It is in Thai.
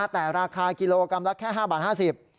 แต่ราคากิโลกรัมละแค่๕บาท๕๐ที่ขายได้